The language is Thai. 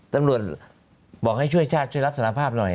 ตำรวจบอกให้ช่วยชาติช่วยรับสารภาพหน่อย